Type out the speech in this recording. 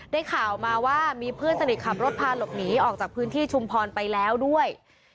ได้ข่าวมาว่ามีเพื่อนสนิทขับรถพาหลบหนีออกจากพื้นที่ชุมพรไปแล้วด้วย